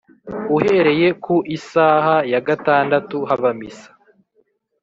Uhereye ku isaha ya gatandatu haba misa